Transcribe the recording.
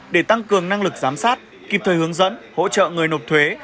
để tăng cường năng lực giám sát kịp thời hướng dẫn hỗ trợ người nộp thuế